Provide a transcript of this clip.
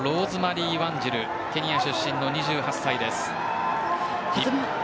ローズマリー・ワンジルケニア出身の２５歳です。